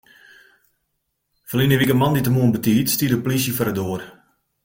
Ferline wike moandeitemoarn betiid stie de polysje foar de doar.